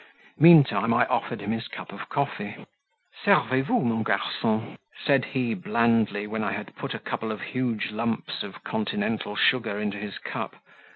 Meantime I offered him his cup of coffee. "Servez vous mon garcon," said he blandly, when I had put a couple of huge lumps of continental sugar into his cup.